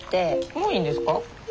もういいんですか？